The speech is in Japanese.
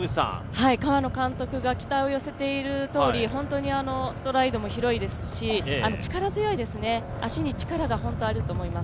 河野監督が期待を寄せているとおり、本当にストライドも広いですし、力強いですね、足に力があると思います。